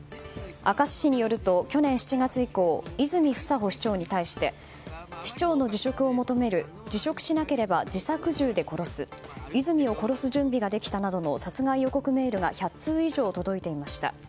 明石市によると去年７月以降泉房穂市長に対して市長の辞職を求める辞職しなければ自作銃で殺す泉を殺す準備ができたなどの殺害予告メールが１００通以上届いていました。